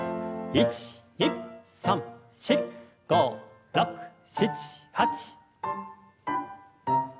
１２３４５６７８。